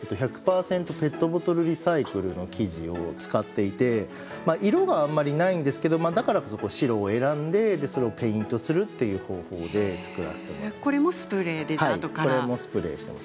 ペットボトルリサイクルの生地を使っていて色があまりないんですけどだからこそ白を選んでペイントするという方法でこれもスプレーですか？